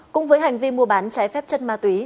cùng với hành vi mua bán trái phép chân ma túy